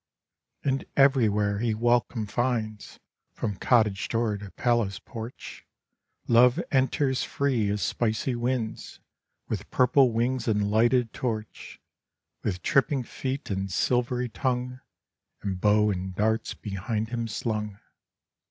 And everywhere he welcome finds, From cottage door to palace porch Love enters free as spicy winds, With purple wings and lighted torch, With tripping feet and silvery tongue, And bow and darts behind him slung.